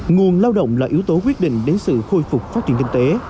nguồn lao động là yếu tố quyết định đến sự khôi phục phát triển kinh tế